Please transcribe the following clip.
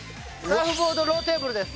サーフボードローテーブルです。